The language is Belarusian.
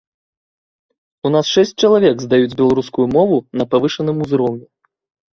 У нас шэсць чалавек здаюць беларускую мову на павышаным узроўні.